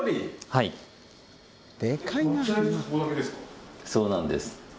はいそうなんです